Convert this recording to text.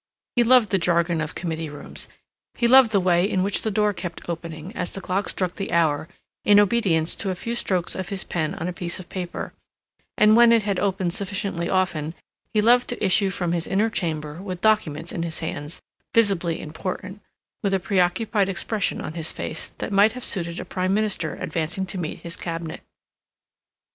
He loved the jargon of committee rooms; he loved the way in which the door kept opening as the clock struck the hour, in obedience to a few strokes of his pen on a piece of paper; and when it had opened sufficiently often, he loved to issue from his inner chamber with documents in his hands, visibly important, with a preoccupied expression on his face that might have suited a Prime Minister advancing to meet his Cabinet.